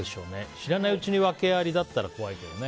知らないうちに訳ありだったら怖いけどね。